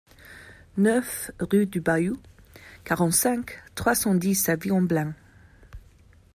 neuf rue du Baillou, quarante-cinq, trois cent dix à Villamblain